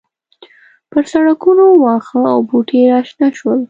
پر سړکونو واښه او بوټي راشنه شول